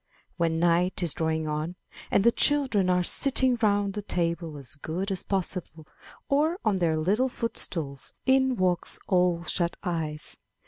When night is drawing on, and the children are sitting round the table as good as possible or on their little footstools, in walks Ole Shut eyes.